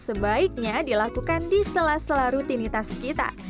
sebaiknya dilakukan di sela sela rutinitas kita